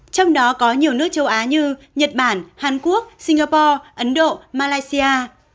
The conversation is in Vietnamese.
trong đó có nhiều nước châu á như nhật bản hàn quốc singapore ấn độ malaysia